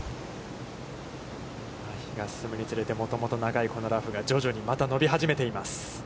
日が進むにつれてもともと長いラフが徐々に、また伸び始めています。